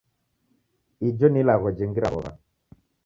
Ijo ni ilagho jengira w'ow'a.